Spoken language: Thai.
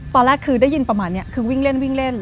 ตอนแรกคือได้ยินประมาณนี้คือวิ่งเล่น